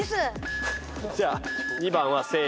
じゃあ２番はせーの。